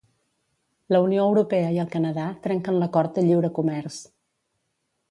La Unió Europea i el Canadà trenquen l'acord de lliure comerç.